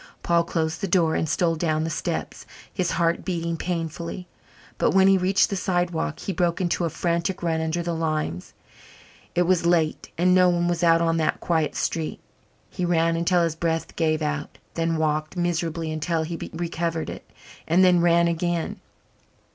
Paul closed the door and stole down the steps, his heart beating painfully, but when he reached the sidewalk he broke into a frantic run under the limes. It was late and no one was out on that quiet street. He ran until his breath gave out, then walked miserably until he recovered it, and then ran again.